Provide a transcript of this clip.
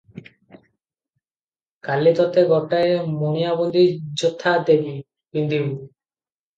କାଲି ତୋତେ ଗୋଟାଏ ମାଣିଆବନ୍ଧି ଜଥା ଦେବି, ପିନ୍ଧିବୁ।